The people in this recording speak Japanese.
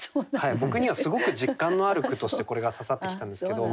僕にはすごく実感のある句としてこれが刺さってきたんですけど。